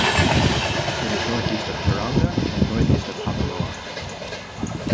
It is north-east of Tauranga and north-east of Papamoa.